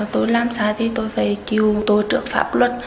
tôi làm xa thì tôi phải chịu tôi trực pháp luật